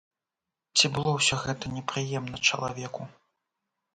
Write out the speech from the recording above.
Ці было ўсё гэта непрыемна чалавеку?